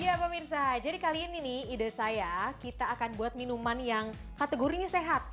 ya pemirsa jadi kali ini nih ide saya kita akan buat minuman yang kategorinya sehat